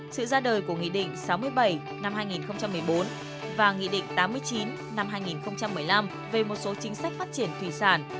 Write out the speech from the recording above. sự ra đời của nghị định sáu mươi bảy năm hai nghìn một mươi bốn và nghị định tám mươi chín năm hai nghìn một mươi năm về một số chính sách phát triển thủy sản